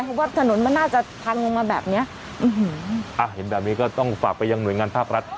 เพราะว่าถนนมันน่าจะพังลงมาแบบเนี้ยอืมอ่ะเห็นแบบนี้ก็ต้องฝากไปยังหน่วยงานภาครัฐ